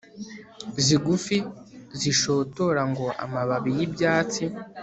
zigufi - zishotora ngo amababi y'ibyatsi